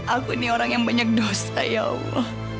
aku ini orang yang banyak dosa ya allah